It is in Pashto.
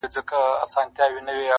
اې د ویدي د مست سُرود او اوستا لوري-